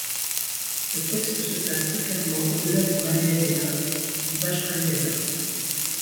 Le texte se place très clairement au-delà du Mahayana et du Vajrayana.